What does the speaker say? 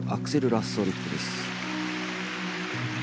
ラッソーリフトです。